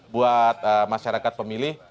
buat masyarakat pemilih